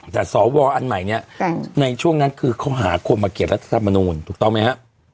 แต่สวอันใหม่นี้ในช่วงนั้นคือเขาหาควบประเกตรรัฐธรรมนูญถูกต้องไหมครับ